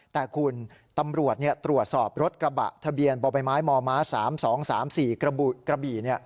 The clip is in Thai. แต่คุณตำรวจตรวจสอบรถกระบะทะเบียนบ่อใบไม้มม๓๒๓๔กระบี่